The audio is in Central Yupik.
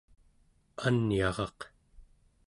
Anyaraq